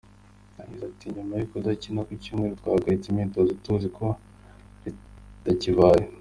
Yagize ati”Nyuma yo kudakina ku cyumweru twahagaritse imyitozo tuzi ko ritakibaye.